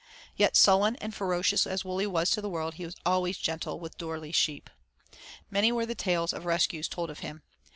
Yet sullen and ferocious as Wully was to the world, he was always gentle with Dorley's sheep. Many were the tales of rescues told of him.